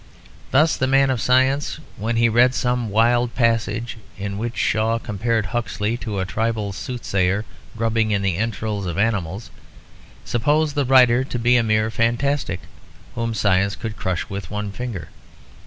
Thus the man of science, when he read some wild passage in which Shaw compared Huxley to a tribal soothsayer grubbing in the entrails of animals, supposed the writer to be a mere fantastic whom science could crush with one finger.